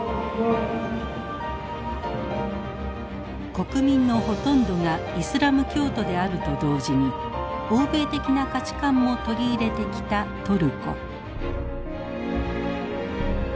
国民のほとんどがイスラム教徒であると同時に欧米的な価値観も取り入れてきたトルコ。